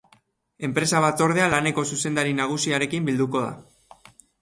Enpresa-batzordea laneko zuzendari nagusiarekin bilduko da.